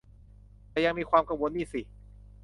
แต่ยังมีความกังวลนี่สิ